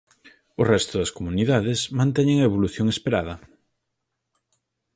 O resto das comunidades manteñen a evolución esperada.